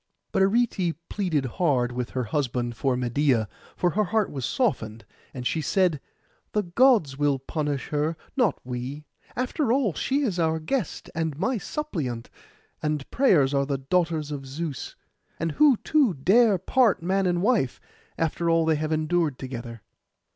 But Arete pleaded hard with her husband for Medeia, for her heart was softened. And she said, 'The Gods will punish her, not we. After all, she is our guest and my suppliant, and prayers are the daughters of Zeus. And who, too, dare part man and wife, after all they have endured together?